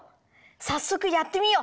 さっそくやってみよう！